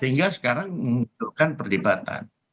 sehingga sekarang memunculkan perdebatan